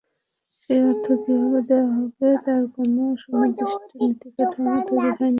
সেই অর্থ কীভাবে দেওয়া হবে, তার কোনো সুনির্দিষ্ট নীতিকাঠামো তৈরি হয়নি।